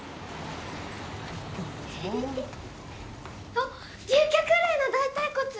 あっ竜脚類の大腿骨！